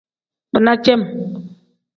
Bina cem.